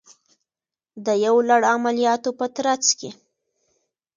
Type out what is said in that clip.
د یو لړ عملیاتو په ترڅ کې